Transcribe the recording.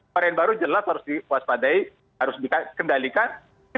varian baru jelas harus dipuas padai harus dikendalikan